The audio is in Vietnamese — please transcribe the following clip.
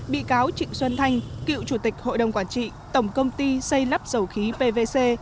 bị cáo trịnh xuân thanh cựu chủ tịch hội đồng quản trị tổng công ty xây lắp dầu khí pvc